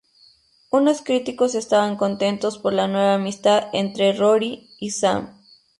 Unos críticos estaban contentos por la nueva amistad entre Rory y Sam.